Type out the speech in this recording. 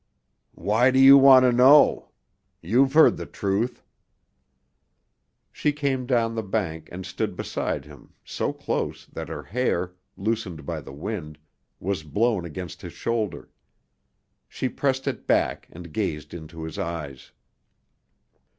"Why do you want to know? You've heard the truth." She came down the bank and stood beside him so close that her hair, loosened by the wind, was blown against his shoulder. She pressed it back and gazed into his eyes.